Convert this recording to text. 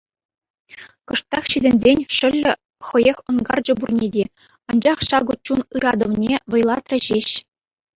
Кӑштах ҫитӗнсен, шӑллӗ хӑех ӑнкарчӗ пурне те, анчах ҫакӑ чун ыратӑвне вӑйлатрӗ ҫеҫ.